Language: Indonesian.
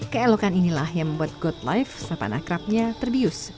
keelokan inilah yang membuat god life sapa nakrabnya terbius